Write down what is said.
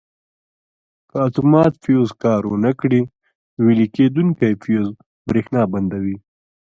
که اتومات فیوز کار ور نه کړي ویلې کېدونکی فیوز برېښنا بندوي.